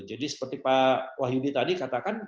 jadi seperti pak wahyudi tadi katakan